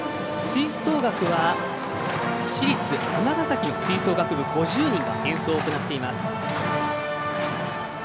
そして、吹奏楽は尼崎の吹奏楽部５０人が演奏を行っています。